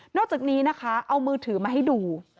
อกจากนี้นะคะเอามือถือมาให้ดู